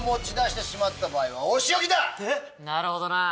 なるほどな。